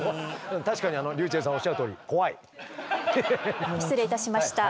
確かにｒｙｕｃｈｅｌｌさんおっしゃるとおり失礼いたしました。